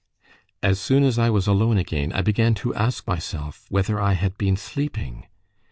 As soon as I was alone again, I began to ask myself whether I had been sleeping.